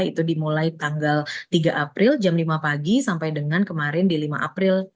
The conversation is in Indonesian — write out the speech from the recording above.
itu dimulai tanggal tiga april jam lima pagi sampai dengan kemarin di lima april